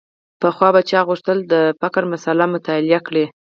پخوا به چا غوښتل د فقر مسأله مطالعه کړي.